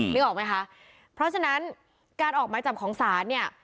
นึกออกไหมคะเพราะฉะนั้นการออกหมายจับของศาลเนี่ย